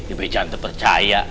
lebih cantik percaya